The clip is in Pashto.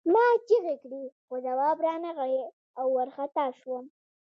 ما چیغې کړې خو ځواب را نغی او وارخطا شوم